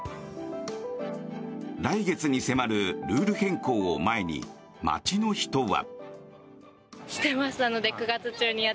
来月に迫るルール変更を前に街の人は。